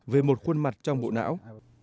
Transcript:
về một khuôn mặt trong bộ não